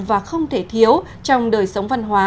và không thể thiếu trong đời sống văn hóa